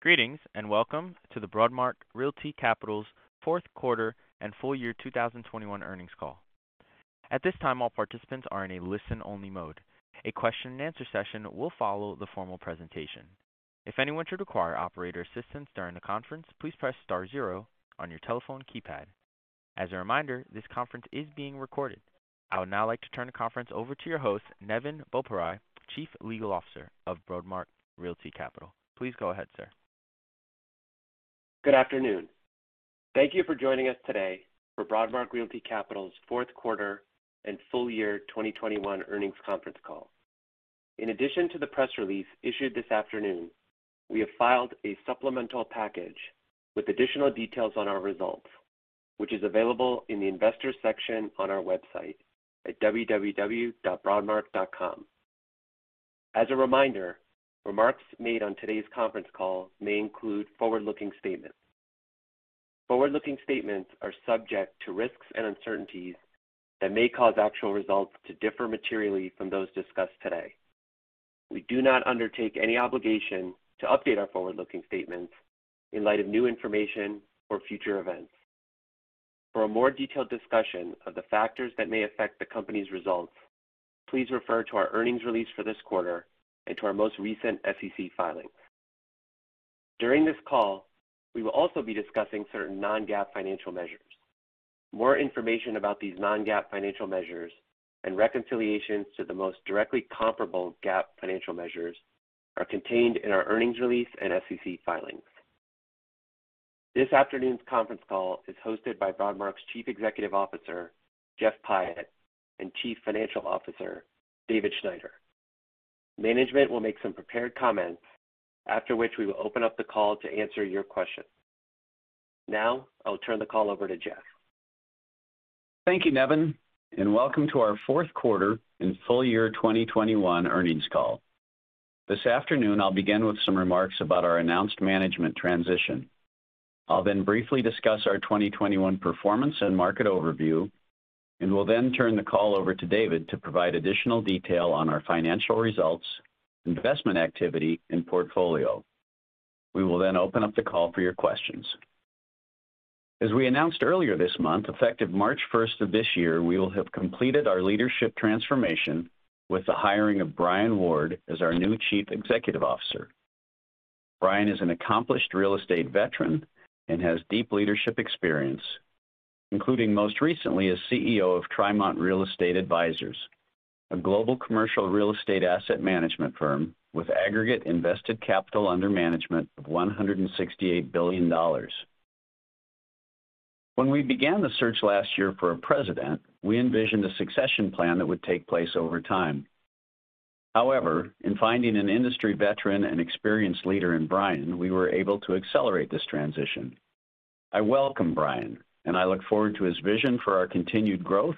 Greetings, and welcome to the Broadmark Realty Capital's fourth quarter and full year 2021 earnings call. At this time, all participants are in a listen-only mode. A question-and-answer session will follow the formal presentation. If anyone should require operator assistance during the conference, please press star zero on your telephone keypad. As a reminder, this conference is being recorded. I would now like to turn the conference over to your host, Nevin Boparai, Chief Legal Officer of Broadmark Realty Capital. Please go ahead, sir. Good afternoon. Thank you for joining us today for Broadmark Realty Capital's fourth quarter and full year 2021 earnings conference call. In addition to the press release issued this afternoon, we have filed a supplemental package with additional details on our results, which is available in the Investors section on our website at www.broadmark.com. As a reminder, remarks made on today's conference call may include forward-looking statements. Forward-looking statements are subject to risks and uncertainties that may cause actual results to differ materially from those discussed today. We do not undertake any obligation to update our forward-looking statements in light of new information or future events. For a more detailed discussion of the factors that may affect the company's results, please refer to our earnings release for this quarter and to our most recent SEC filings. During this call, we will also be discussing certain non-GAAP financial measures. More information about these non-GAAP financial measures and reconciliations to the most directly comparable GAAP financial measures are contained in our earnings release and SEC filings. This afternoon's conference call is hosted by Broadmark's Chief Executive Officer, Jeff Pyatt, and Chief Financial Officer, David Schneider. Management will make some prepared comments after which we will open up the call to answer your questions. Now, I'll turn the call over to Jeff. Thank you, Nevin, and welcome to our fourth quarter and full year 2021 earnings call. This afternoon, I'll begin with some remarks about our announced management transition. I'll then briefly discuss our 2021 performance and market overview, and will then turn the call over to David to provide additional detail on our financial results, investment activity, and portfolio. We will then open up the call for your questions. As we announced earlier this month, effective March 1st of this year, we will have completed our leadership transformation with the hiring of Brian Ward as our new Chief Executive Officer. Brian is an accomplished real estate veteran and has deep leadership experience, including most recently as CEO of Trimont Real Estate Advisors, a global commercial real estate asset management firm with aggregate invested capital under management of $168 billion. When we began the search last year for a president, we envisioned a succession plan that would take place over time. However, in finding an industry veteran and experienced leader in Brian, we were able to accelerate this transition. I welcome Brian, and I look forward to his vision for our continued growth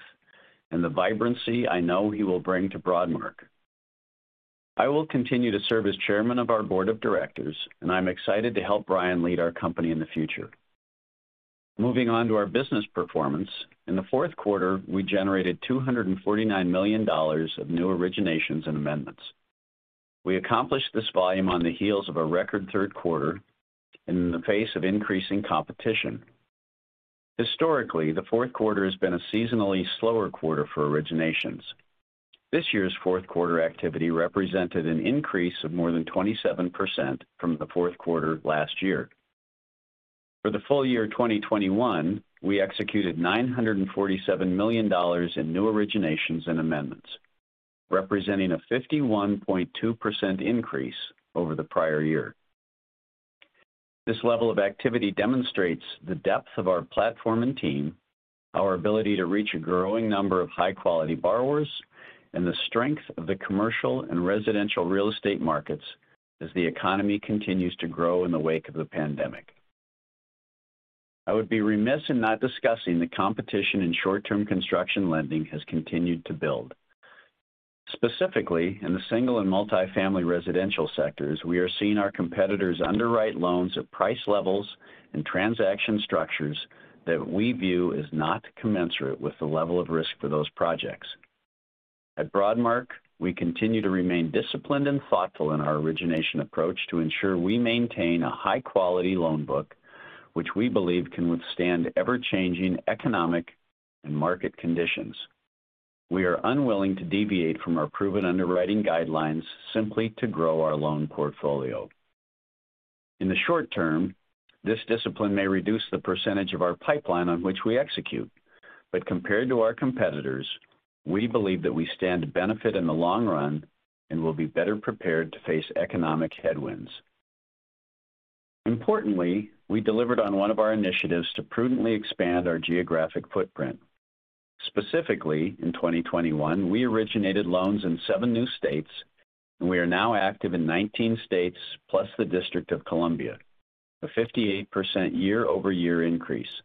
and the vibrancy I know he will bring to Broadmark. I will continue to serve as Chairman of our Board of Directors, and I'm excited to help Brian lead our company in the future. Moving on to our business performance, in the fourth quarter, we generated $249 million of new originations and amendments. We accomplished this volume on the heels of a record third quarter and in the face of increasing competition. Historically, the fourth quarter has been a seasonally slower quarter for originations. This year's fourth quarter activity represented an increase of more than 27% from the fourth quarter last year. For the full year 2021, we executed $947 million in new originations and amendments, representing a 51.2% increase over the prior year. This level of activity demonstrates the depth of our platform and team, our ability to reach a growing number of high-quality borrowers, and the strength of the commercial and residential real estate markets as the economy continues to grow in the wake of the pandemic. I would be remiss in not discussing that the competition in short-term construction lending has continued to build. Specifically, in the single and multi-family residential sectors, we are seeing our competitors underwrite loans at price levels and transaction structures that we view as not commensurate with the level of risk for those projects. At Broadmark, we continue to remain disciplined and thoughtful in our origination approach to ensure we maintain a high-quality loan book which we believe can withstand ever-changing economic and market conditions. We are unwilling to deviate from our proven underwriting guidelines simply to grow our loan portfolio. In the short term, this discipline may reduce the percentage of our pipeline on which we execute. Compared to our competitors, we believe that we stand to benefit in the long run and will be better prepared to face economic headwinds. Importantly, we delivered on one of our initiatives to prudently expand our geographic footprint. Specifically, in 2021, we originated loans in seven new states, and we are now active in 19 states plus the District of Columbia, a 58% year-over-year increase.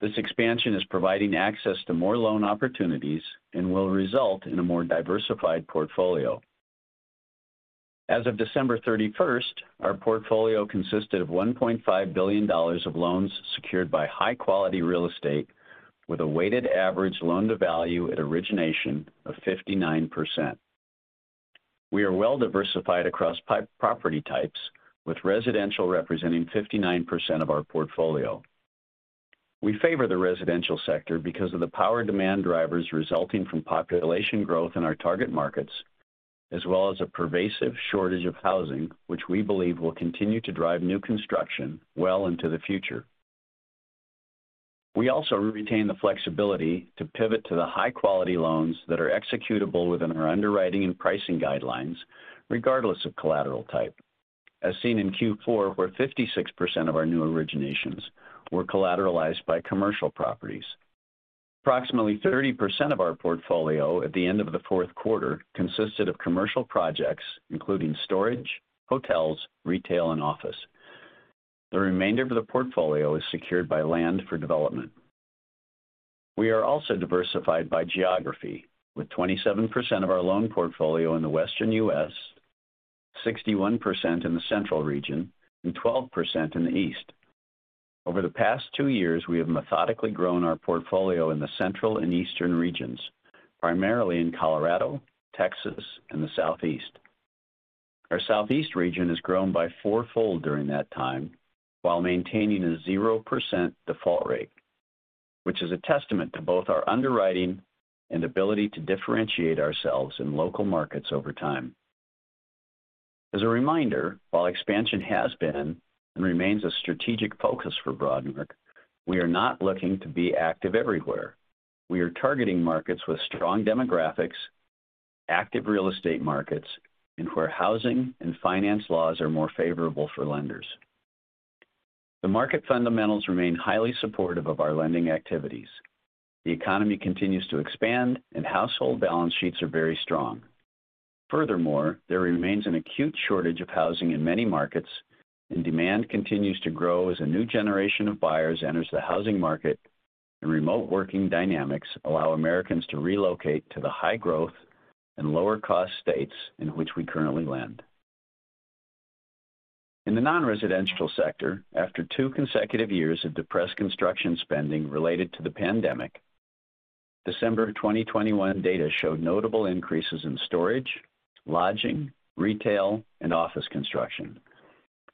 This expansion is providing access to more loan opportunities and will result in a more diversified portfolio. As of December 31st, our portfolio consisted of $1.5 billion of loans secured by high-quality real estate with a weighted average loan-to-value at origination of 59%. We are well-diversified across property types, with residential representing 59% of our portfolio. We favor the residential sector because of the power demand drivers resulting from population growth in our target markets, as well as a pervasive shortage of housing, which we believe will continue to drive new construction well into the future. We also retain the flexibility to pivot to the high-quality loans that are executable within our underwriting and pricing guidelines, regardless of collateral type. As seen in Q4, where 56% of our new originations were collateralized by commercial properties. Approximately 30% of our portfolio at the end of the fourth quarter consisted of commercial projects, including storage, hotels, retail, and office. The remainder of the portfolio is secured by land for development. We are also diversified by geography, with 27% of our loan portfolio in the Western U.S., 61% in the central region and 12% in the East. Over the past two years, we have methodically grown our portfolio in the central and eastern regions, primarily in Colorado, Texas, and the Southeast. Our Southeast region has grown by four-fold during that time, while maintaining a 0% default rate, which is a testament to both our underwriting and ability to differentiate ourselves in local markets over time. As a reminder, while expansion has been and remains a strategic focus for Broadmark, we are not looking to be active everywhere. We are targeting markets with strong demographics, active real estate markets, and where housing and finance laws are more favorable for lenders. The market fundamentals remain highly supportive of our lending activities. The economy continues to expand and household balance sheets are very strong. Furthermore, there remains an acute shortage of housing in many markets, and demand continues to grow as a new generation of buyers enters the housing market and remote working dynamics allow Americans to relocate to the high growth and lower cost states in which we currently lend. In the non-residential sector, after two consecutive years of depressed construction spending related to the pandemic, December 2021 data showed notable increases in storage, lodging, retail, and office construction.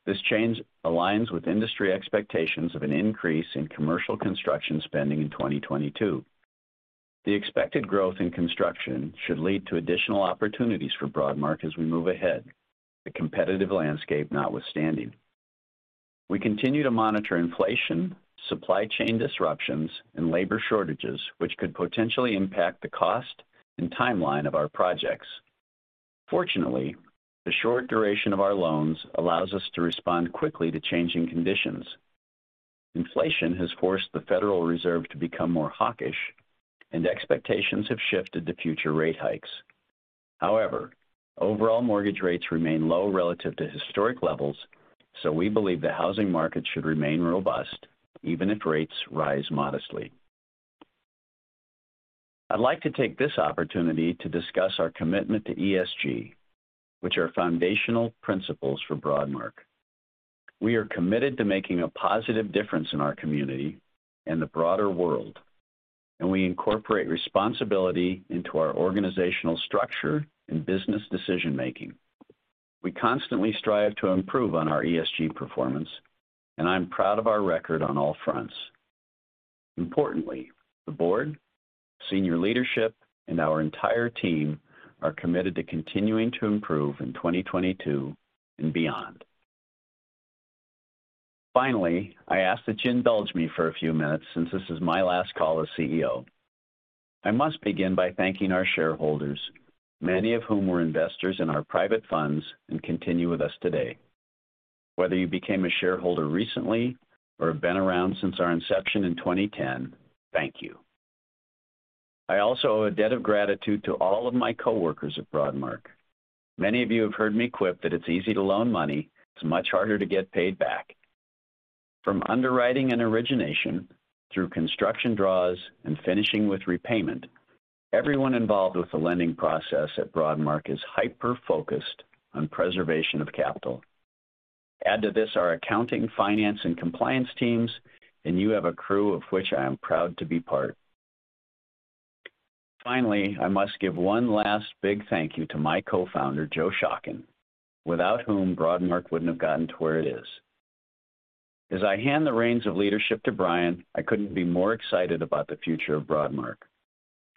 This change aligns with industry expectations of an increase in commercial construction spending in 2022. The expected growth in construction should lead to additional opportunities for Broadmark as we move ahead, the competitive landscape notwithstanding. We continue to monitor inflation, supply chain disruptions, and labor shortages, which could potentially impact the cost and timeline of our projects. Fortunately, the short duration of our loans allows us to respond quickly to changing conditions. Inflation has forced the Federal Reserve to become more hawkish, and expectations have shifted to future rate hikes. However, overall mortgage rates remain low relative to historic levels, so we believe the housing market should remain robust even if rates rise modestly. I'd like to take this opportunity to discuss our commitment to ESG, which are foundational principles for Broadmark. We are committed to making a positive difference in our community and the broader world, and we incorporate responsibility into our organizational structure and business decision-making. We constantly strive to improve on our ESG performance, and I'm proud of our record on all fronts. Importantly, the Board, senior leadership, and our entire team are committed to continuing to improve in 2022 and beyond. Finally, I ask that you indulge me for a few minutes since this is my last call as CEO. I must begin by thanking our shareholders, many of whom were investors in our private funds and continue with us today. Whether you became a shareholder recently or have been around since our inception in 2010, thank you. I also owe a debt of gratitude to all of my coworkers at Broadmark. Many of you have heard me quip that it's easy to loan money. It's much harder to get paid back. From underwriting and origination, through construction draws and finishing with repayment, everyone involved with the lending process at Broadmark is hyper-focused on preservation of capital. Add to this our accounting, finance, and compliance teams, and you have a crew of which I am proud to be part. Finally, I must give one last big thank you to my Co-Founder, Joe Schocken, without whom Broadmark wouldn't have gotten to where it is. As I hand the reins of leadership to Brian, I couldn't be more excited about the future of Broadmark.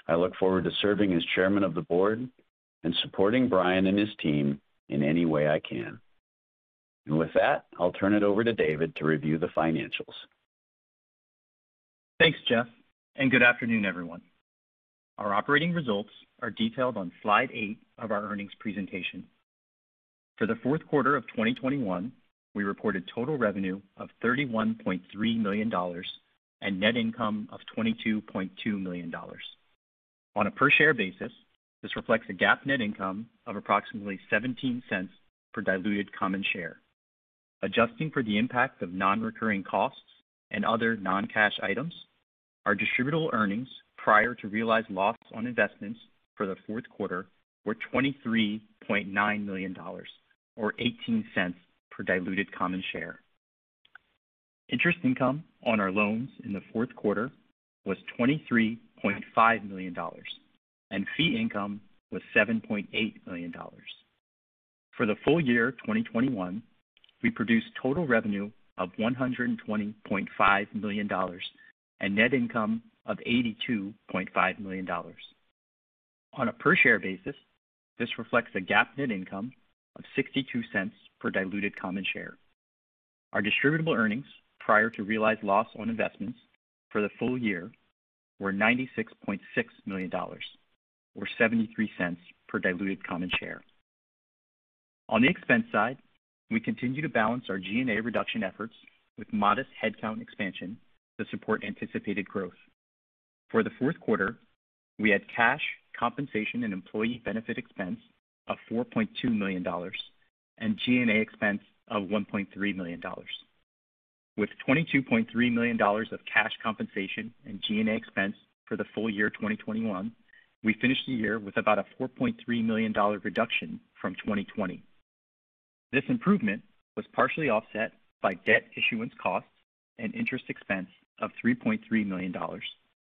I look forward to serving as Chairman of the Board and supporting Brian and his team in any way I can. With that, I'll turn it over to David to review the financials. Thanks, Jeff, and good afternoon, everyone. Our operating results are detailed on slide eight of our earnings presentation. For the fourth quarter of 2021, we reported total revenue of $31.3 million and net income of $22.2 million. On a per-share basis, this reflects a GAAP net income of approximately $0.17 per diluted common share. Adjusting for the impact of non-recurring costs and other non-cash items, our distributable earnings prior to realized loss on investments for the fourth quarter were $23.9 million, or $0.18 per diluted common share. Interest income on our loans in the fourth quarter was $23.5 million and fee income was $7.8 million. For the full year 2021, we produced total revenue of $120.5 million and net income of $82.5 million. On a per-share basis, this reflects a GAAP net income of $0.62 per diluted common share. Our distributable earnings prior to realized loss on investments for the full year were $96.6 million or $0.73 per diluted common share. On the expense side, we continue to balance our G&A reduction efforts with modest headcount expansion to support anticipated growth. For the fourth quarter, we had cash, compensation, and employee benefit expense of $4.2 million and G&A expense of $1.3 million. With $22.3 million of cash compensation and G&A expense for the full year 2021, we finished the year with about a $4.3 million reduction from 2020. This improvement was partially offset by debt issuance costs and interest expense of $3.3 million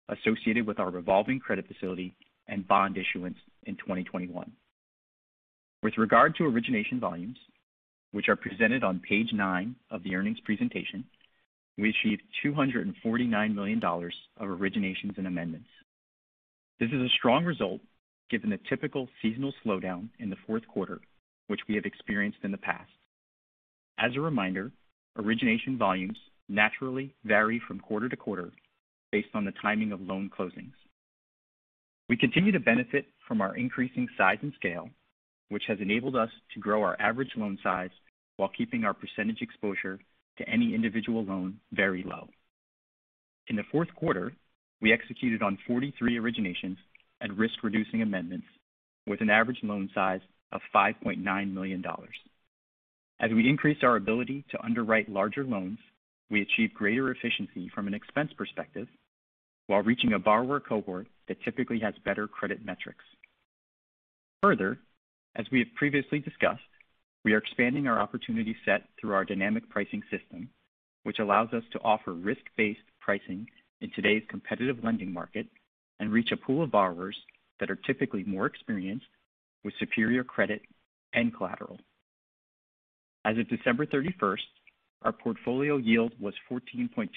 associated with our revolving credit facility and bond issuance in 2021. With regard to origination volumes, which are presented on page nine of the earnings presentation, we achieved $249 million of originations and amendments. This is a strong result given the typical seasonal slowdown in the fourth quarter which we have experienced in the past. As a reminder, origination volumes naturally vary from quarter-to-quarter based on the timing of loan closings. We continue to benefit from our increasing size and scale, which has enabled us to grow our average loan size while keeping our percentage exposure to any individual loan very low. In the fourth quarter, we executed on 43 originations and risk-reducing amendments with an average loan size of $5.9 million. As we increased our ability to underwrite larger loans, we achieved greater efficiency from an expense perspective while reaching a borrower cohort that typically has better credit metrics. Further, as we have previously discussed, we are expanding our opportunity set through our dynamic pricing system, which allows us to offer risk-based pricing in today's competitive lending market and reach a pool of borrowers that are typically more experienced with superior credit and collateral. As of December 31st, our portfolio yield was 14.2%,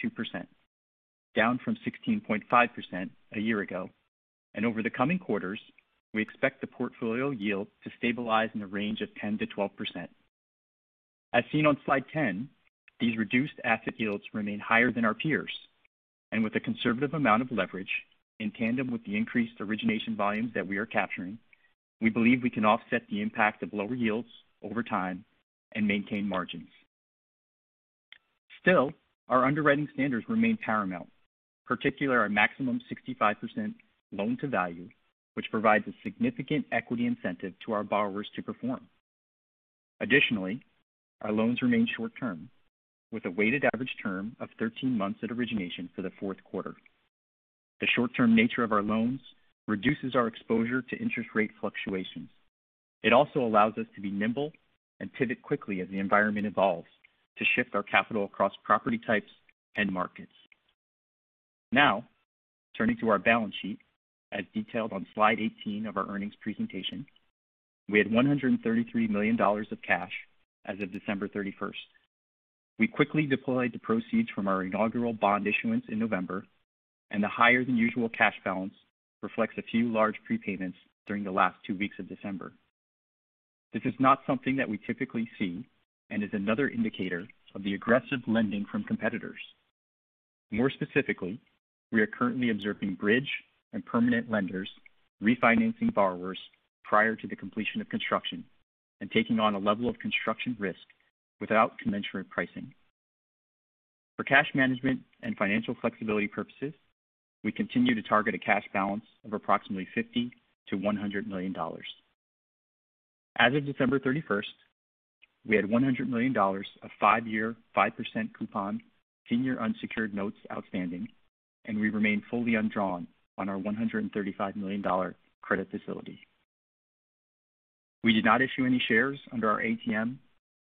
down from 16.5% a year ago. Over the coming quarters, we expect the portfolio yield to stabilize in the range of 10%-12%. As seen on slide 10, these reduced asset yields remain higher than our peers. With a conservative amount of leverage in tandem with the increased origination volumes that we are capturing, we believe we can offset the impact of lower yields over time and maintain margins. Still, our underwriting standards remain paramount, particularly our maximum 65% loan-to-value, which provides a significant equity incentive to our borrowers to perform. Additionally, our loans remain short-term with a weighted average term of 13 months at origination for the fourth quarter. The short-term nature of our loans reduces our exposure to interest rate fluctuations. It also allows us to be nimble and pivot quickly as the environment evolves to shift our capital across property types and markets. Now, turning to our balance sheet as detailed on slide 18 of our earnings presentation. We had $133 million of cash as of December 31st. We quickly deployed the proceeds from our inaugural bond issuance in November, and the higher than usual cash balance reflects a few large prepayments during the last two weeks of December. This is not something that we typically see and is another indicator of the aggressive lending from competitors. More specifically, we are currently observing bridge and permanent lenders refinancing borrowers prior to the completion of construction and taking on a level of construction risk without commensurate pricing. For cash management and financial flexibility purposes, we continue to target a cash balance of approximately $50 million-$100 million. As of December 31st, we had $100 million of five-year, 5% coupon senior unsecured notes outstanding, and we remain fully undrawn on our $135 million credit facility. We did not issue any shares under our ATM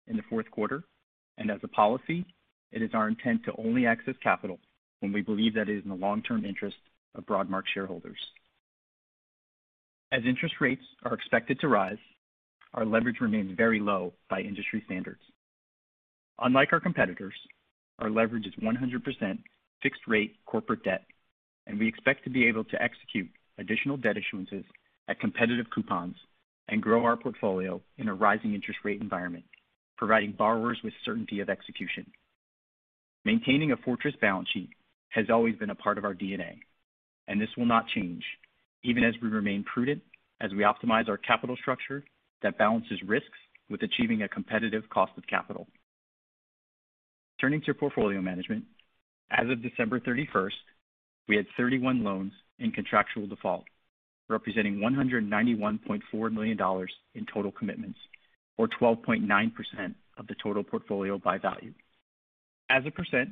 in the fourth quarter, and as a policy, it is our intent to only access capital when we believe that it is in the long-term interest of Broadmark shareholders. As interest rates are expected to rise, our leverage remains very low by industry standards. Unlike our competitors, our leverage is 100% fixed-rate corporate debt, and we expect to be able to execute additional debt issuances at competitive coupons and grow our portfolio in a rising interest rate environment, providing borrowers with certainty of execution. Maintaining a fortress balance sheet has always been a part of our DNA, and this will not change even as we remain prudent as we optimize our capital structure that balances risks with achieving a competitive cost of capital. Turning to portfolio management, as of December 31st, we had 31 loans in contractual default, representing $191.4 million in total commitments or 12.9% of the total portfolio by value. As a percent,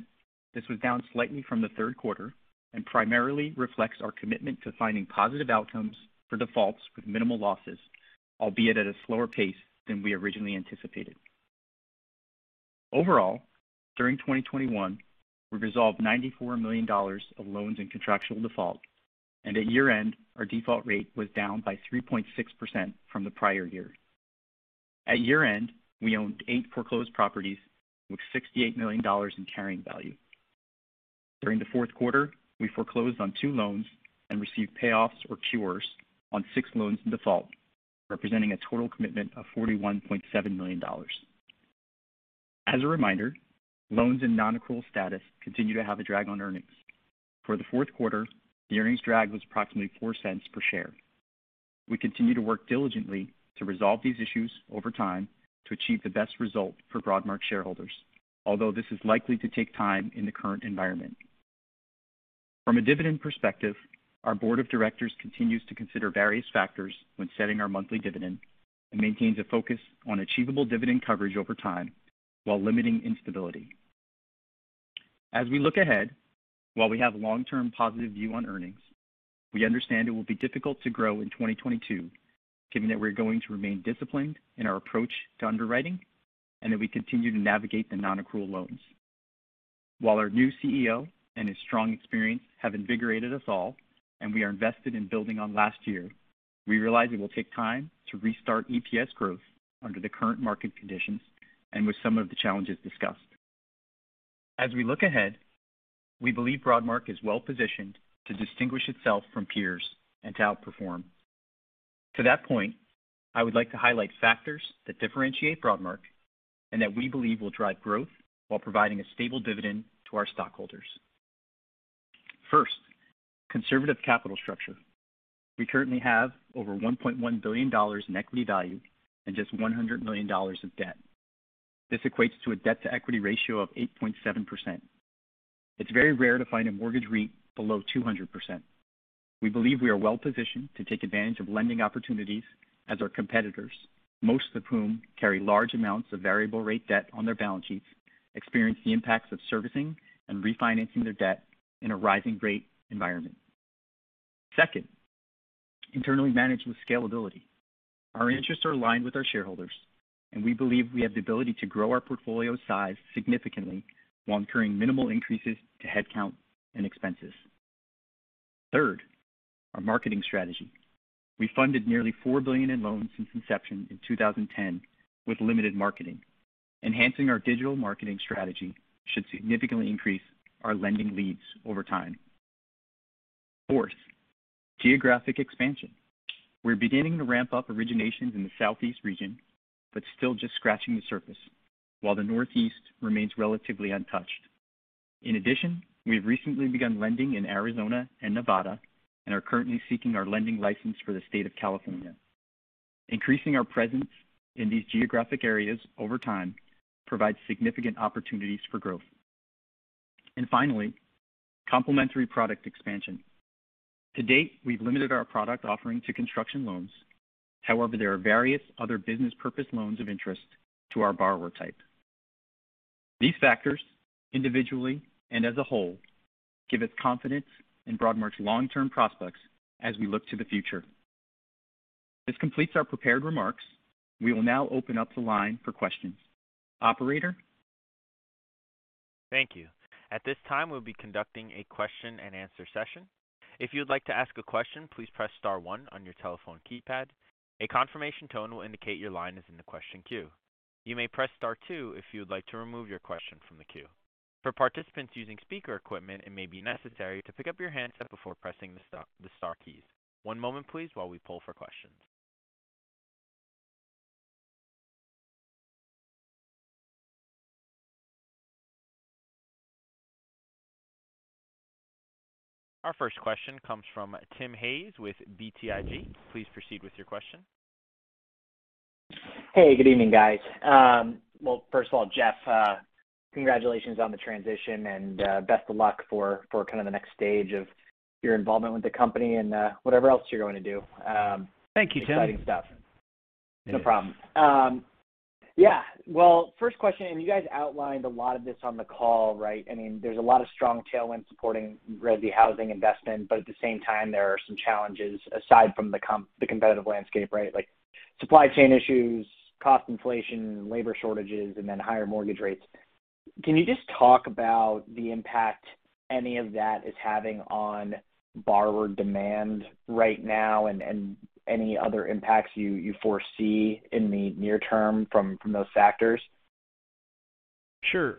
this was down slightly from the third quarter and primarily reflects our commitment to finding positive outcomes for defaults with minimal losses, albeit at a slower pace than we originally anticipated. Overall, during 2021, we resolved $94 million of loans in contractual default, and at year-end, our default rate was down by 3.6% from the prior year. At year-end, we owned eight foreclosed properties with $68 million in carrying value. During the fourth quarter, we foreclosed on two loans and received payoffs or cures on six loans in default, representing a total commitment of $41.7 million. As a reminder, loans in non-accrual status continue to have a drag on earnings. For the fourth quarter, the earnings drag was approximately $0.04 per share. We continue to work diligently to resolve these issues over time to achieve the best result for Broadmark shareholders, although this is likely to take time in the current environment. From a dividend perspective, our Board of Directors continues to consider various factors when setting our monthly dividend and maintains a focus on achievable dividend coverage over time while limiting instability. As we look ahead, while we have long-term positive view on earnings, we understand it will be difficult to grow in 2022, given that we're going to remain disciplined in our approach to underwriting and that we continue to navigate the non-accrual loans. While our new CEO and his strong experience have invigorated us all and we are invested in building on last year, we realize it will take time to restart EPS growth under the current market conditions and with some of the challenges discussed. As we look ahead, we believe Broadmark is well-positioned to distinguish itself from peers and to outperform. To that point, I would like to highlight factors that differentiate Broadmark and that we believe will drive growth while providing a stable dividend to our stockholders. First, conservative capital structure. We currently have over $1.1 billion in equity value and just $100 million of debt. This equates to a debt-to-equity ratio of 8.7%. It's very rare to find a mortgage REIT below 200%. We believe we are well-positioned to take advantage of lending opportunities as our competitors, most of whom carry large amounts of variable rate debt on their balance sheets, experience the impacts of servicing and refinancing their debt in a rising rate environment. Second, internally managed with scalability. Our interests are aligned with our shareholders, and we believe we have the ability to grow our portfolio size significantly while incurring minimal increases to headcount and expenses. Third, our marketing strategy. We funded nearly $4 billion in loans since inception in 2010 with limited marketing. Enhancing our digital marketing strategy should significantly increase our lending leads over time. Fourth, geographic expansion. We're beginning to ramp up originations in the Southeast region, but still just scratching the surface, while the Northeast remains relatively untouched. In addition, we have recently begun lending in Arizona and Nevada and are currently seeking our lending license for the state of California. Increasing our presence in these geographic areas over time provides significant opportunities for growth. Finally, complementary product expansion. To date, we've limited our product offering to construction loans. However, there are various other business purpose loans of interest to our borrower type. These factors, individually and as a whole, give us confidence in Broadmark's long-term prospects as we look to the future. This completes our prepared remarks. We will now open up the line for questions. Operator? Thank you. At this time, we'll be conducting a question-and-answer session. If you'd like to ask a question, please press star one on your telephone keypad. A confirmation tone will indicate your line is in the question queue. You may press star two if you would like to remove your question from the queue. For participants using speaker equipment, it may be necessary to pick up your handset before pressing the star keys. One moment please while we poll for questions. Our first question comes from Tim Hayes with BTIG. Please proceed with your question. Hey, good evening, guys. Well, first of all, Jeff, congratulations on the transition and best of luck for kind of the next stage of your involvement with the company and whatever else you're going to do. Thank you, Tim. Exciting stuff. No problem. Yeah. Well, first question, and you guys outlined a lot of this on the call, right? I mean, there's a lot of strong tailwind supporting resi housing investment, but at the same time, there are some challenges aside from the competitive landscape, right? Like supply chain issues, cost inflation, labor shortages, and then higher mortgage rates. Can you just talk about the impact any of that is having on borrower demand right now and any other impacts you foresee in the near term from those factors? Sure.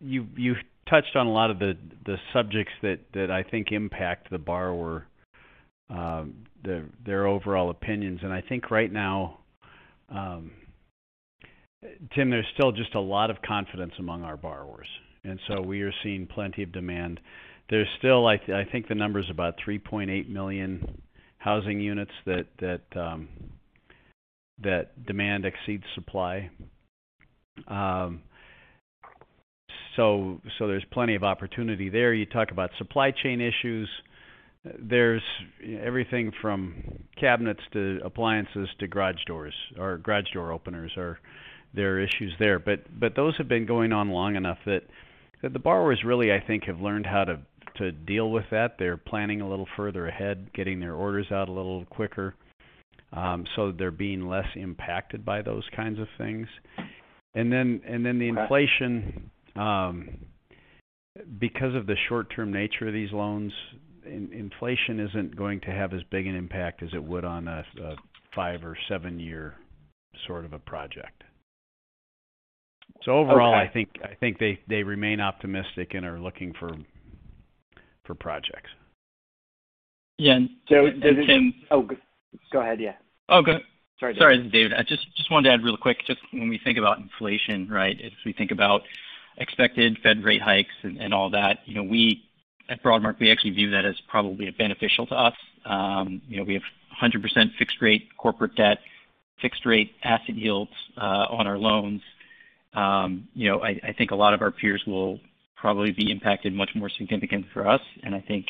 You've touched on a lot of the subjects that I think impact the borrower, their overall opinions. I think right now, Tim, there's still just a lot of confidence among our borrowers, so we are seeing plenty of demand. There's still, I think, the number is about 3.8 million housing units that demand exceeds supply. There's plenty of opportunity there. You talk about supply chain issues. There's everything from cabinets to appliances to garage doors or garage door openers. There are issues there. Those have been going on long enough that the borrowers really, I think, have learned how to deal with that. They're planning a little further ahead, getting their orders out a little quicker, so they're being less impacted by those kinds of things. The inflation, because of the short-term nature of these loans, inflation isn't going to have as big an impact as it would on a five- or seven-year sort of a project. Okay. Overall, I think they remain optimistic and are looking for projects. Yeah. Tim Oh, go ahead. Yeah. Oh, go- Sorry. Sorry. This is David. I just wanted to add really quick, just when we think about inflation, right? As we think about expected Fed rate hikes and all that, you know we at Broadmark, we actually view that as probably beneficial to us. You know, we have 100% fixed-rate corporate debt, fixed-rate asset yields on our loans. You know, I think a lot of our peers will probably be impacted much more significant for us. I think,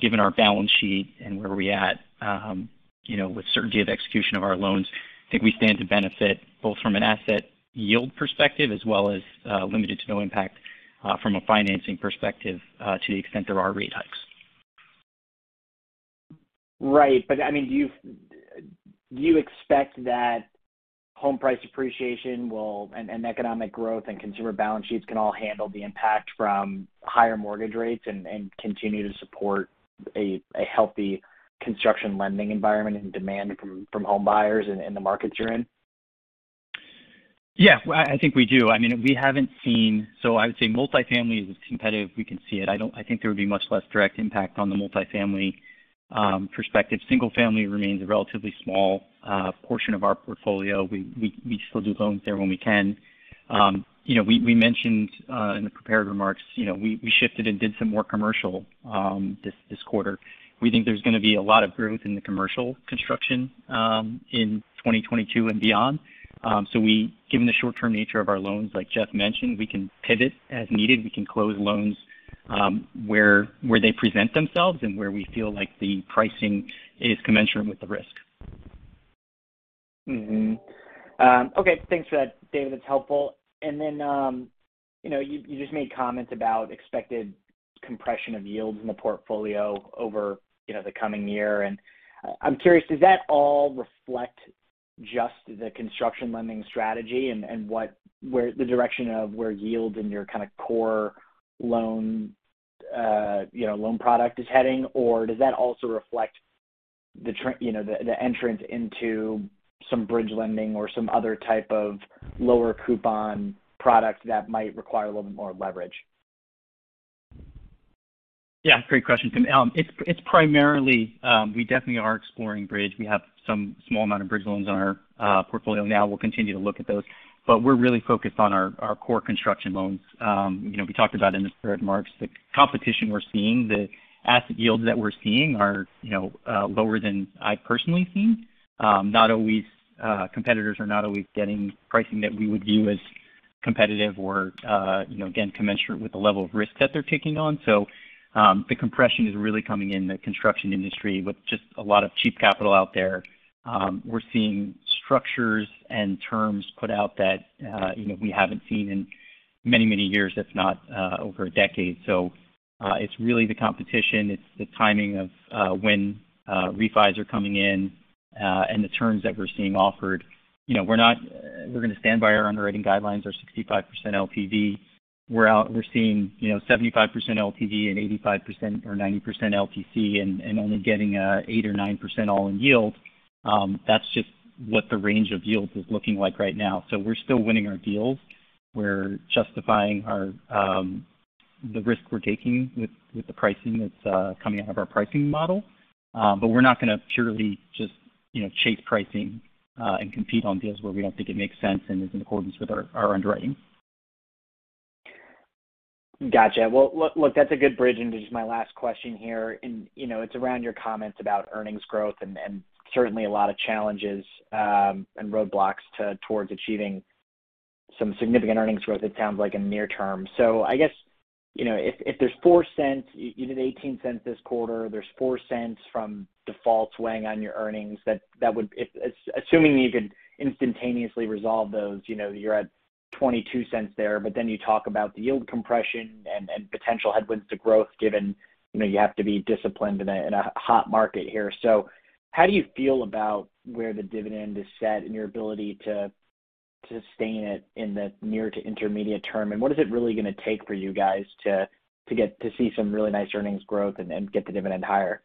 given our balance sheet and where we at, you know, with certainty of execution of our loans, I think we stand to benefit both from an asset yield perspective as well as, limited to no impact from a financing perspective, to the extent there are rate hikes. Right. I mean, do you expect that home price appreciation will and economic growth and consumer balance sheets can all handle the impact from higher mortgage rates and continue to support a healthy construction lending environment and demand from home buyers in the markets you're in? Yeah, I think we do. I mean, we haven't seen. I would say multifamily is as competitive as we can see it. I don't think there would be much less direct impact on the multifamily perspective. Single family remains a relatively small portion of our portfolio. We still do loans there when we can. You know, we mentioned in the prepared remarks, you know, we shifted and did some more commercial this quarter. We think there's gonna be a lot of growth in the commercial construction in 2022 and beyond. Given the short-term nature of our loans, like Jeff mentioned, we can pivot as needed. We can close loans where they present themselves and where we feel like the pricing is commensurate with the risk. Okay. Thanks for that, David. That's helpful. You know, you just made comments about expected compression of yields in the portfolio over, you know, the coming year. I'm curious, does that all reflect just the construction lending strategy and the direction where yields in your kinda core loan, you know, loan product is heading? Or does that also reflect the trend, you know, the entrance into some bridge lending or some other type of lower coupon product that might require a little bit more leverage? Yeah, great question, Tim. It's primarily. We definitely are exploring bridge. We have some small amount of bridge loans on our portfolio now. We'll continue to look at those. We're really focused on our core construction loans. You know, we talked about in the prepared remarks the competition we're seeing. The asset yields that we're seeing are, you know, lower than I personally think. Not always, competitors are not always getting pricing that we would view as competitive or, you know, again, commensurate with the level of risk that they're taking on. The compression is really coming in the construction industry with just a lot of cheap capital out there. We're seeing structures and terms put out that, you know, we haven't seen in many, many years, if not, over a decade. It's really the competition. It's the timing of when refis are coming in and the terms that we're seeing offered. You know, we're gonna stand by our underwriting guidelines, our 65% LTV. We're seeing, you know, 75% LTV and 85% or 90% LTC and only getting 8% or 9% all-in yield. That's just what the range of yields is looking like right now. We're still winning our deals. We're justifying the risk we're taking with the pricing that's coming out of our pricing model. We're not gonna purely just, you know, chase pricing and compete on deals where we don't think it makes sense and is in accordance with our underwriting. Gotcha. Well, look, that's a good bridge into just my last question here. You know, it's around your comments about earnings growth and certainly a lot of challenges and roadblocks towards achieving some significant earnings growth, it sounds like, in near term. I guess, you know, if there's $0.04, you did $0.18 this quarter, there's $0.04 from defaults weighing on your earnings, that would. If assuming you could instantaneously resolve those, you know, you're at $0.22 there. Then you talk about the yield compression and potential headwinds to growth given, you know, you have to be disciplined in a hot market here. How do you feel about where the dividend is set and your ability to sustain it in the near to intermediate term? What is it really gonna take for you guys to get to see some really nice earnings growth and get the dividend higher?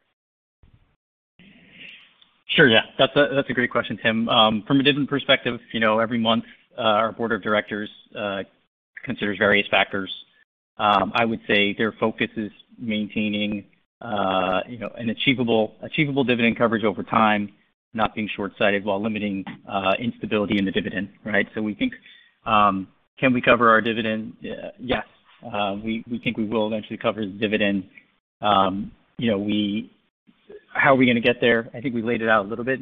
Sure. Yeah. That's a great question, Tim. From a dividend perspective, you know, every month, our Board of Directors considers various factors. I would say their focus is maintaining, you know, an achievable dividend coverage over time, not being short-sighted while limiting instability in the dividend, right? We think, can we cover our dividend? Yes. We think we will eventually cover the dividend. How are we going to get there? I think we laid it out a little bit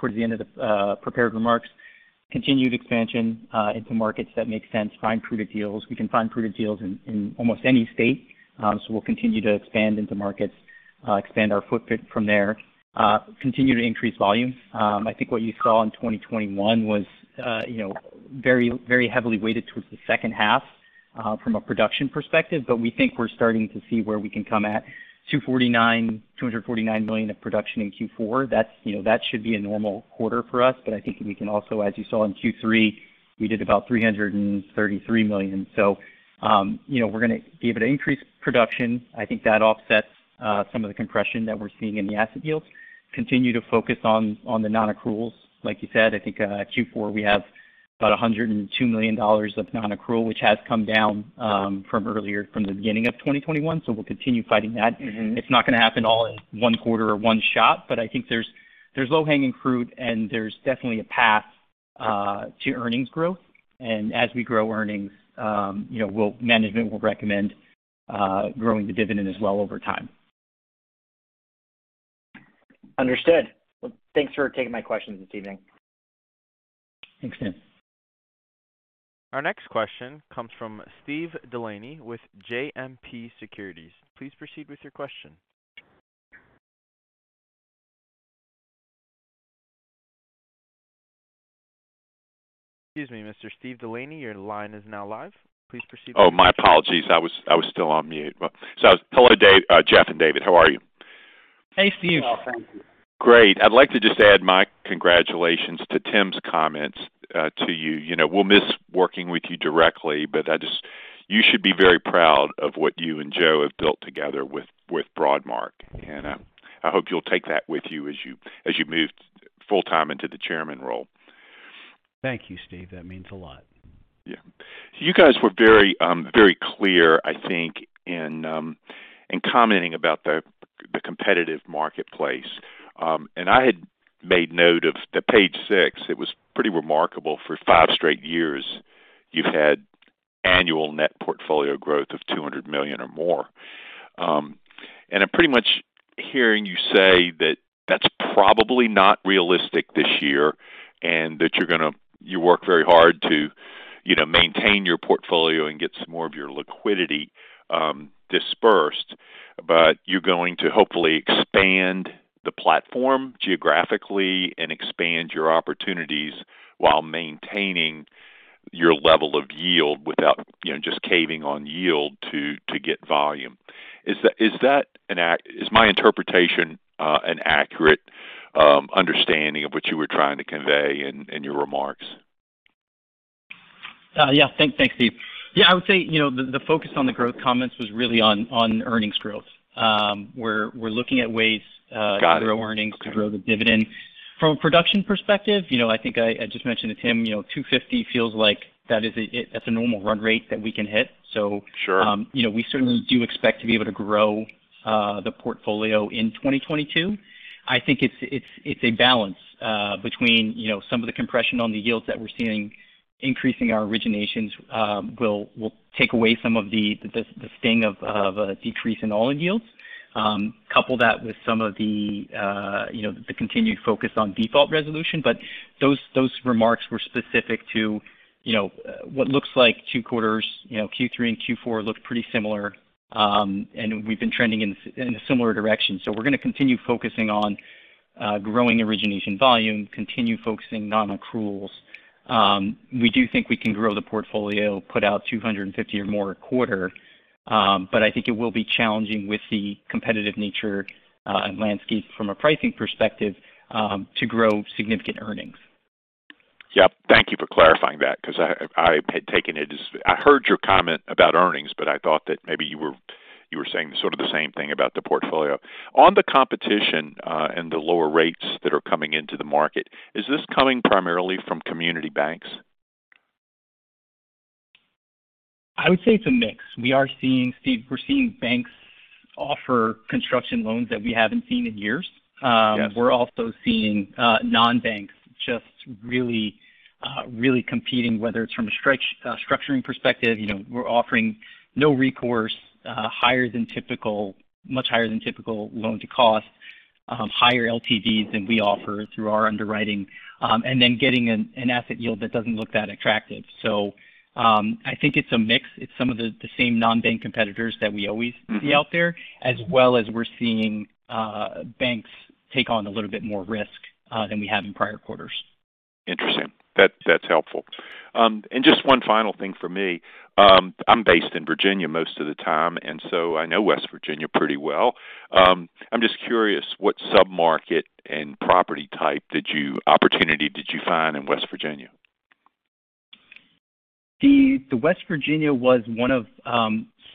towards the end of the prepared remarks. Continued expansion into markets that make sense. Find prudent deals. We can find prudent deals in almost any state, so we'll continue to expand into markets, expand our footprint from there, continue to increase volume. I think what you saw in 2021 was, you know, very, very heavily weighted towards the second half, from a production perspective. We think we're starting to see where we can come at $249 million of production in Q4. That's, you know, that should be a normal quarter for us. I think we can also, as you saw in Q3, we did about $333 million. You know, we're gonna be able to increase production. I think that offsets some of the compression that we're seeing in the asset yields. Continue to focus on the non-accruals. Like you said, I think Q4 we have about $102 million of non-accrual, which has come down from earlier from the beginning of 2021. We'll continue fighting that. It's not gonna happen all in one quarter or one shot, but I think there's low-hanging fruit, and there's definitely a path to earnings growth. As we grow earnings, you know, management will recommend growing the dividend as well over time. Understood. Well, thanks for taking my questions this evening. Thanks, Tim. Our next question comes from Steve DeLaney with JMP Securities. Please proceed with your question. Excuse me, Mr. Steve DeLaney. Your line is now live. Please proceed with your question. Oh, my apologies. I was still on mute. Well, hello, Dave, Jeff and David. How are you? Hey, Steve. Well, thank you. Great. I'd like to just add my congratulations to Tim's comments to you. You know, we'll miss working with you directly, but you should be very proud of what you and Joe have built together with Broadmark, and I hope you'll take that with you as you move full-time into the Chairman role. Thank you, Steve. That means a lot. Yeah. You guys were very clear, I think, in commenting about the competitive marketplace. I had made note of the page six. It was pretty remarkable for five straight years you've had annual net portfolio growth of $200 million or more. I'm pretty much hearing you say that that's probably not realistic this year, and that you work very hard to, you know, maintain your portfolio and get some more of your liquidity dispersed, but you're going to hopefully expand the platform geographically and expand your opportunities while maintaining your level of yield without, you know, just caving on yield to get volume. Is my interpretation an accurate understanding of what you were trying to convey in your remarks? Yeah. Thanks, Steve. Yeah, I would say, you know, the focus on the growth comments was really on earnings growth. We're looking at ways- Got it. ...to grow earnings. Okay To grow the dividend. From a production perspective, you know, I think I just mentioned to Tim, you know, $250 million feels like that's a normal run rate that we can hit. So- Sure. You know, we certainly do expect to be able to grow the portfolio in 2022. I think it's a balance between you know, some of the compression on the yields that we're seeing. Increasing our originations will take away some of the sting of a decrease in all-in yields. Couple that with some of the you know, the continued focus on default resolution. Those remarks were specific to you know, what looks like two quarters. You know, Q3 and Q4 look pretty similar, and we've been trending in a similar direction. We're gonna continue focusing on growing origination volume, continue focusing non-accruals. We do think we can grow the portfolio, put out $250 million or more a quarter. I think it will be challenging with the competitive nature, and landscape from a pricing perspective, to grow significant earnings. Yep. Thank you for clarifying that 'cause I had taken it as I heard your comment about earnings, but I thought that maybe you were saying sort of the same thing about the portfolio. On the competition and the lower rates that are coming into the market, is this coming primarily from community banks? I would say it's a mix. We are seeing, Steve, banks offer construction loans that we haven't seen in years. Yes. We're also seeing non-banks just really competing, whether it's from a strict structuring perspective. You know, we're offering no recourse, higher-than-typical, much higher-than-typical loan-to-cost, higher LTVs than we offer through our underwriting, and then getting an asset yield that doesn't look that attractive. I think it's a mix. It's some of the same non-bank competitors that we always- Mm-hmm. see out there, as well as we're seeing banks take on a little bit more risk than we have in prior quarters. Interesting. That, that's helpful. Just one final thing for me. I'm based in Virginia most of the time, and so I know West Virginia pretty well. I'm just curious, what sub-market and property type opportunity did you find in West Virginia? Steve, the West Virginia was one of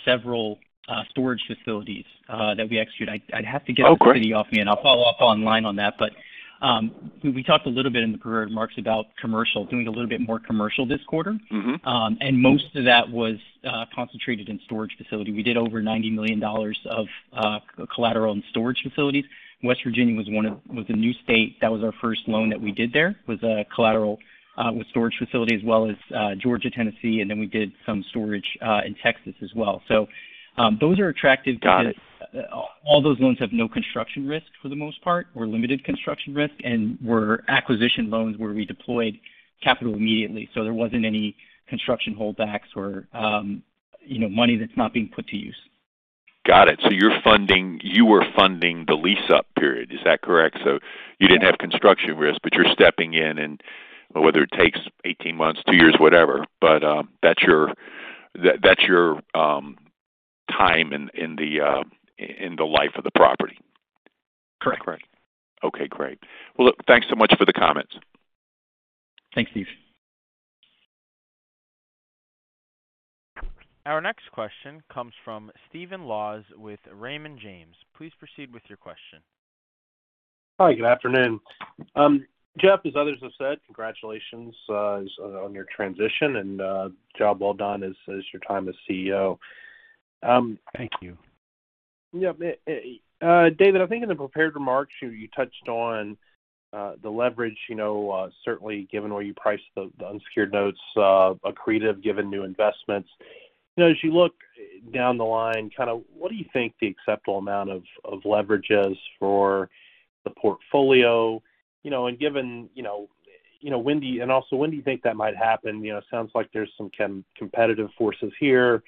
several storage facilities that we execute. I'd have to get- Oh, great. ...the city off mute, and I'll follow up online on that. We talked a little bit in the prepared remarks about commercial, doing a little bit more commercial this quarter. Mm-hmm. Most of that was concentrated in storage facility. We did over $90 million of collateral and storage facilities. West Virginia was a new state. That was our first loan that we did there, was a collateral with storage facility, as well as Georgia, Tennessee, and then we did some storage in Texas as well. Those are attractive because- Got it. ..all those loans have no construction risk for the most part, or limited construction risk, and were acquisition loans where we deployed capital immediately, so there wasn't any construction holdbacks or, you know, money that's not being put to use. Got it. You were funding the lease up period. Is that correct? You didn't have construction risk, but you're stepping in and whether it takes 18 months, two years, whatever. That's your time in the life of the property. Correct. Okay, great. Well, look, thanks so much for the comments. Thanks, Steve. Our next question comes from Stephen Laws with Raymond James. Please proceed with your question. Hi, good afternoon. Jeff, as others have said, congratulations on your transition and job well done as your time as CEO. Thank you. Yeah. David, I think in the prepared remarks, you touched on the leverage, you know, certainly given where you priced the unsecured notes, accretive, given new investments. You know, as you look down the line, kinda, what do you think the acceptable amount of leverage is for the portfolio? You know, given, you know, when do you think that might happen? You know, sounds like there's some competitive forces here,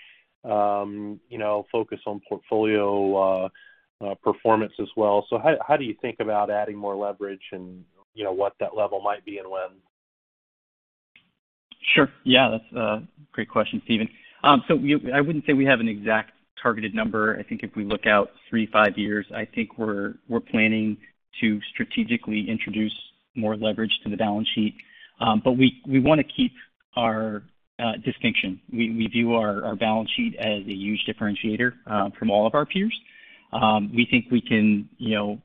you know, focus on portfolio performance as well. How do you think about adding more leverage and, you know, what that level might be and when? Sure. Yeah. That's a great question, Steven. I wouldn't say we have an exact targeted number. I think if we look out three, five years, I think we're planning to strategically introduce more leverage to the balance sheet. We wanna keep our distinction. We view our balance sheet as a huge differentiator from all of our peers. We think we can, you know,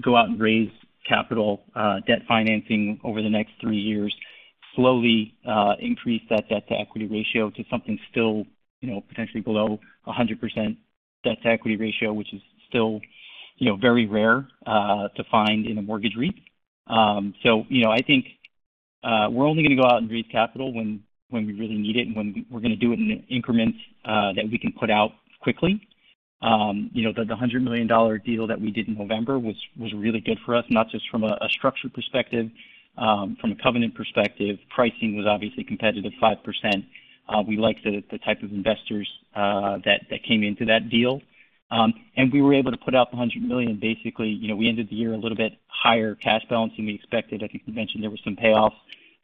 go out and raise capital, debt financing over the next three years, slowly, increase that debt-to-equity ratio to something still, you know, potentially below 100% debt-to-equity ratio, which is still, you know, very rare to find in a mortgage REIT. You know, I think we're only gonna go out and raise capital when we really need it, and we're gonna do it in increments that we can put out quickly. You know, the $100 million deal that we did in November was really good for us, not just from a structure perspective, from a covenant perspective. Pricing was obviously competitive, 5%. We liked the type of investors that came into that deal. We were able to put out the $100 million. Basically, you know, we ended the year a little bit higher cash balance than we expected. I think we mentioned there were some payoffs,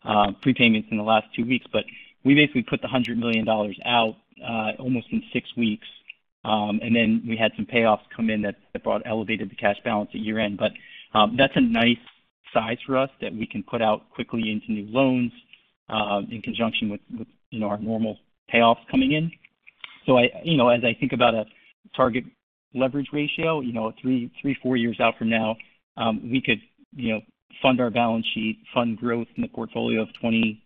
prepayments in the last two weeks, but we basically put the $100 million out, almost in six weeks. We had some payoffs come in that elevated the cash balance at year-end. That's a nice size for us that we can put out quickly into new loans in conjunction with you know, our normal payoffs coming in. I you know, as I think about a target leverage ratio, you know, three, four years out from now, we could you know, fund our balance sheet, fund growth in the portfolio of 20%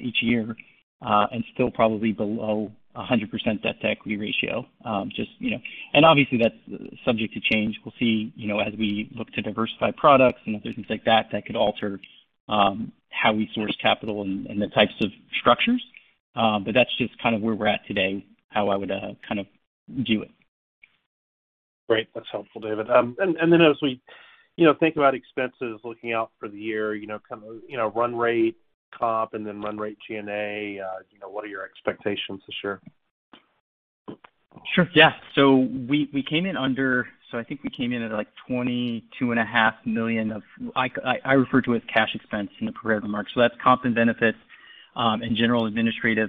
each year, and still probably below 100% debt-to-equity ratio. Just you know, obviously, that's subject to change. We'll see you know, as we look to diversify products and other things like that could alter how we source capital and the types of structures. That's just kind of where we're at today, how I would kind of view it. Great. That's helpful, David. And then as we, you know, think about expenses looking out for the year, you know, kind of, you know, run rate comp and then run rate G&A, you know, what are your expectations this year? Sure. Yeah. I think we came in at, like, $22.5 million I refer to as cash expense in the prepared remarks. That's comp and benefits, and general administrative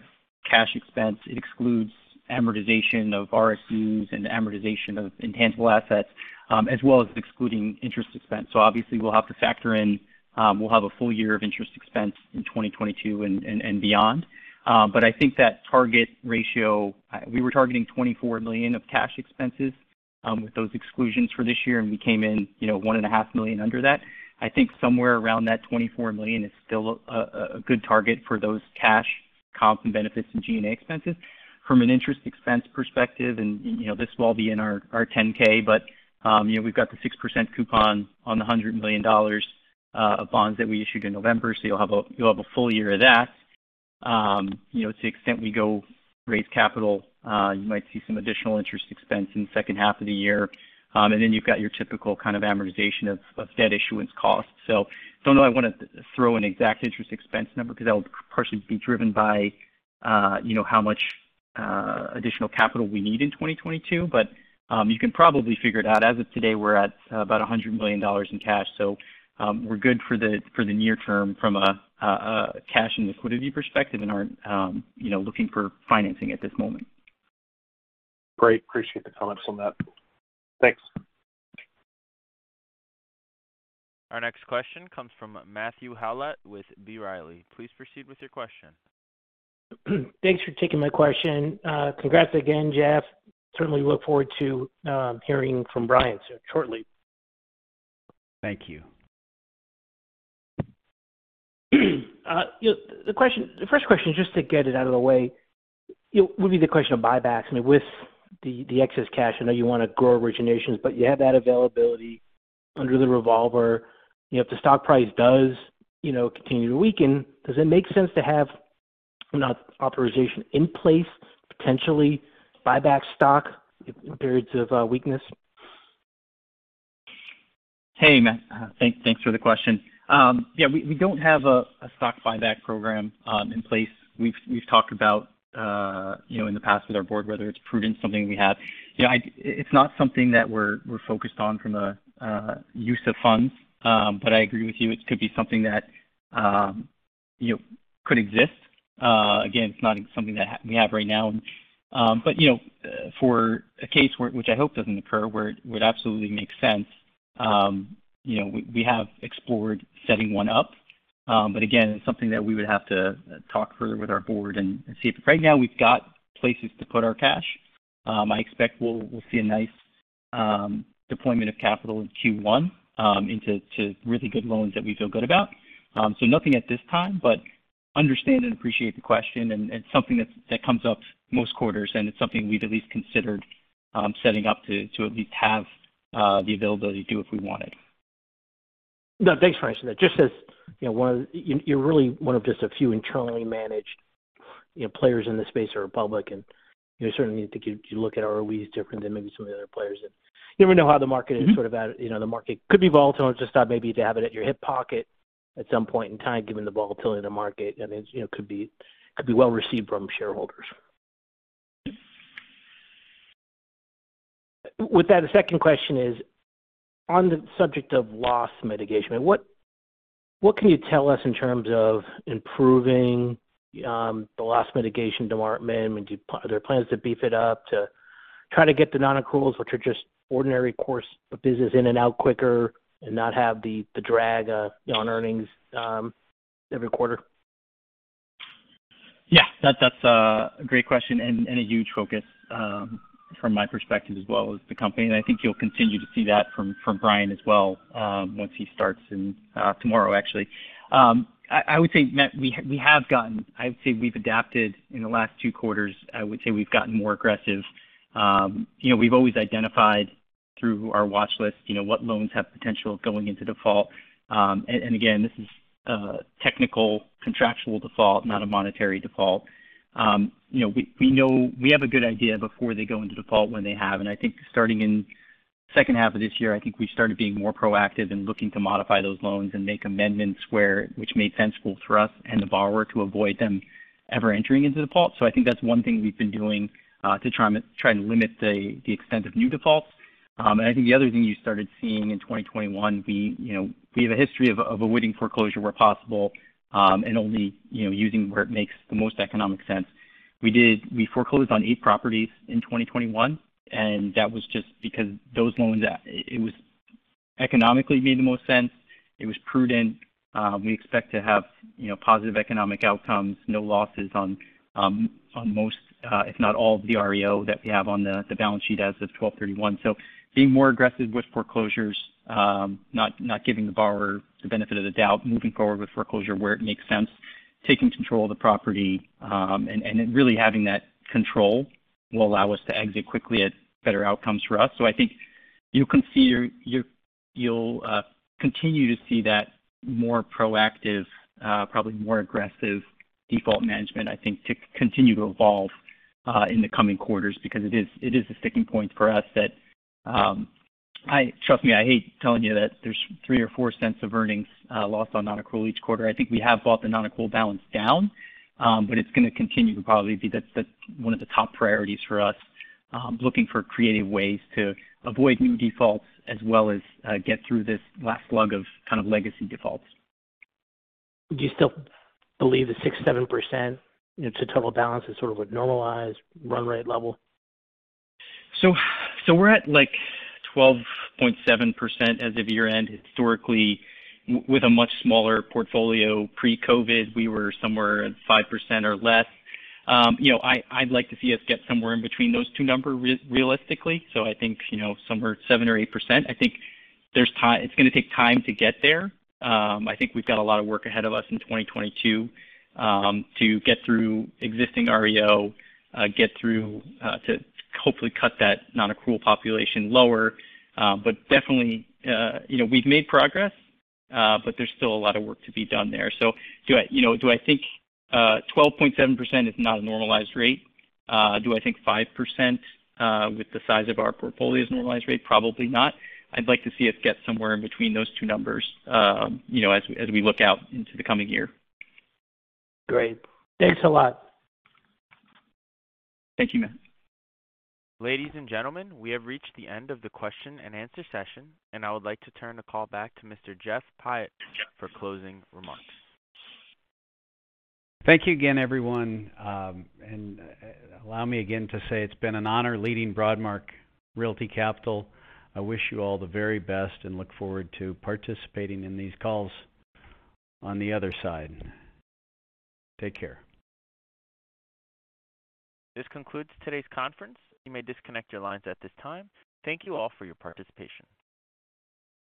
cash expense. It excludes amortization of RSUs and amortization of intangible assets, as well as excluding interest expense. Obviously, we'll have to factor in, we'll have a full year of interest expense in 2022 and beyond. But I think that target ratio, we were targeting $24 million of cash expenses, with those exclusions for this year, and we came in, you know, $1.5 million under that. I think somewhere around that $24 million is still a good target for those cash comp and benefits and G&A expenses. From an interest expense perspective, you know, this will all be in our 10-K, but you know, we've got the 6% coupon on the $100 million of bonds that we issued in November. You'll have a full year of that. You know, to the extent we go raise capital, you might see some additional interest expense in the second half of the year. You've got your typical kind of amortization of debt issuance costs. Don't know I wanna throw an exact interest expense number 'cause that would partially be driven by, you know, how much additional capital we need in 2022. You can probably figure it out. As of today, we're at about $100 million in cash, so, we're good for the near term from a cash and liquidity perspective and aren't, you know, looking for financing at this moment. Great. Appreciate the comments on that. Thanks. Our next question comes from Matthew Howlett with B. Riley. Please proceed with your question. Thanks for taking my question. Congrats again, Jeff. Certainly look forward to hearing from Brian shortly. Thank you. You know, the first question is just to get it out of the way, it would be the question of buybacks. I mean, with the excess cash. I know you wanna grow originations, but you have that availability under the revolver. You know, if the stock price does, you know, continue to weaken, does it make sense to have an authorization in place, potentially buy back stock in periods of weakness? Hey, Matt. Thanks for the question. Yeah, we don't have a stock buyback program in place. We've talked about you know, in the past with our board, whether it's prudent, something we have. You know, it's not something that we're focused on from a use of funds, but I agree with you. It could be something that you know, could exist. Again, it's not something that we have right now. But you know, for a case where which I hope doesn't occur, where it would absolutely make sense, you know, we have explored setting one up. But again, it's something that we would have to talk further with our Board and see. Right now we've got places to put our cash. I expect we'll see a nice deployment of capital in Q1 into really good loans that we feel good about. Nothing at this time, but I understand and appreciate the question and something that comes up most quarters, and it's something we've at least considered setting up to at least have the availability to do if we wanted. No, thanks for answering that. You're really one of just a few internally managed, you know, players in this space are public, and you certainly need to keep. Your outlook is always different than maybe some of the other players. You never know how the market is sort of acting. You know, the market could be volatile. It's just nice to have it at your hip pocket at some point in time, given the volatility of the market. You know, it could be well received from shareholders. With that, the second question is, on the subject of loss mitigation, what can you tell us in terms of improving the loss mitigation department? I mean, are there plans to beef it up to try to get the non-accruals, which are just ordinary course of business in and out quicker and not have the drag on earnings every quarter? Yeah. That's a great question and a huge focus from my perspective as well as the company. I think you'll continue to see that from Brian as well, once he starts in tomorrow, actually. I would say, Matt, we've adapted in the last two quarters. I would say we've gotten more aggressive. You know, we've always identified through our watch list, you know, what loans have potential of going into default. Again, this is a technical contractual default, not a monetary default. You know, we know we have a good idea before they go into default when they have. I think starting in second half of this year, I think we started being more proactive in looking to modify those loans and make amendments where it made sense for us and the borrower to avoid them ever entering into default. I think that's one thing we've been doing to try and limit the extent of new defaults. I think the other thing you started seeing in 2021, you know, we have a history of avoiding foreclosure where possible, and only, you know, using where it makes the most economic sense. We foreclosed on 8 properties in 2021, and that was just because those loans, it was economically made the most sense. It was prudent. We expect to have, you know, positive economic outcomes, no losses on most, if not all the REO that we have on the balance sheet as of 12/31. Being more aggressive with foreclosures, not giving the borrower the benefit of the doubt, moving forward with foreclosure where it makes sense, taking control of the property, and really having that control will allow us to exit quickly at better outcomes for us. I think you can see you're, you'll continue to see that more proactive, probably more aggressive default management, I think, to continue to evolve in the coming quarters because it is a sticking point for us that I trust me, I hate telling you that there's $0.03-$0.04 of earnings lost on non-accrual each quarter. I think we have brought the non-accrual balance down, but it's gonna continue to probably be the one of the top priorities for us, looking for creative ways to avoid new defaults as well as get through this last slug of kind of legacy defaults. Do you still believe that 6%-7%, you know, to total balance is sort of a normalized run rate level? We're at, like, 12.7% as of year-end. Historically, with a much smaller portfolio pre-COVID, we were somewhere at 5% or less. You know, I'd like to see us get somewhere in between those two numbers realistically. I think, you know, somewhere 7% or 8%. I think it's gonna take time to get there. I think we've got a lot of work ahead of us in 2022 to get through existing REO, to hopefully cut that non-accrual population lower. Definitely, you know, we've made progress, but there's still a lot of work to be done there. Do I, you know, think 12.7% is not a normalized rate? Do I think 5% with the size of our portfolio is a normalized rate? Probably not. I'd like to see us get somewhere in between those two numbers, as we look out into the coming year. Great. Thanks a lot. Thank you, Matt. Ladies and gentlemen, we have reached the end of the question-and- answer session, and I would like to turn the call back to Mr. Jeffrey Pyatt for closing remarks. Thank you again, everyone. Allow me again to say it's been an honor leading Broadmark Realty Capital. I wish you all the very best and look forward to participating in these calls on the other side. Take care. This concludes today's conference. You may disconnect your lines at this time. Thank you all for your participation.